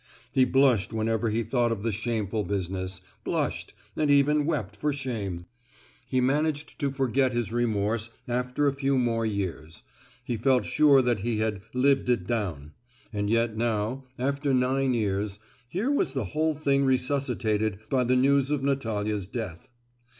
He blushed whenever he thought of the shameful business—blushed, and even wept for shame. He managed to forget his remorse after a few more years—he felt sure that he had "lived it down;" and yet now, after nine years, here was the whole thing resuscitated by the news of Natalia's death.